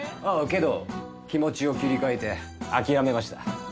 けど気持ちを切り替えて諦めました。